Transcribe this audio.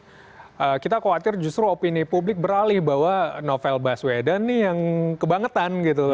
jadi kita khawatir justru opini publik beralih bahwa novel baswedan ini yang kebangetan gitu